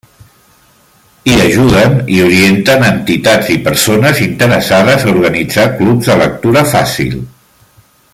I ajuden i orienten a entitats i persones interessades a organitzar Clubs de Lectura Fàcil.